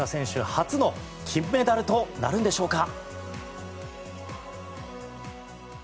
初の金メダルとなるんでしょうか。